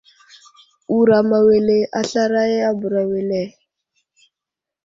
Wuram awele a slaray a bəra wele ?